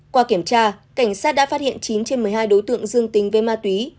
qua kiểm tra cảnh sát đã phát hiện chín trên một mươi hai đối tượng dương tình với ma túy